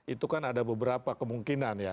itu kan ada beberapa kemungkinan ya